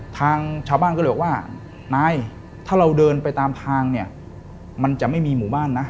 ทางชาวบ้านก็เลยบอกว่านายถ้าเราเดินไปตามทางเนี่ยมันจะไม่มีหมู่บ้านนะ